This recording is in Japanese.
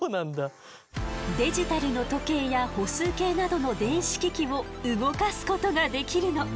デジタルの時計や歩数計などの電子機器を動かすことができるの。